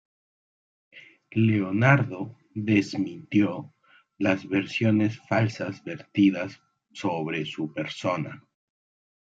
Leonardo desmintió las versiones falsas vertidas sobre su persona.